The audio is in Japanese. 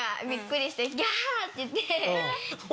って言って。